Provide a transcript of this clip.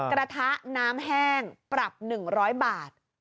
กระทะน้ำแห้งปรับ๑๐๐บาท